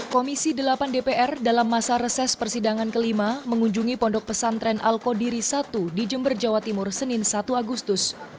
komisi delapan dpr dalam masa reses persidangan kelima mengunjungi pondok pesantren al qodiri satu di jember jawa timur senin satu agustus